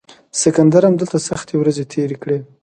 سکندر هم دلته سختې ورځې تیرې کړې